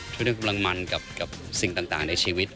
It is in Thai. ช่วยได้กำลังมันกับสิ่งต่างในชีวิต